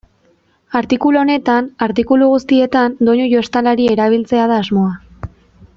Artikulu honetan, artikulu guztietan, doinu jostalari erabiltzea da asmoa.